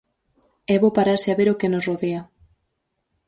É bo pararse a ver o que nos rodea.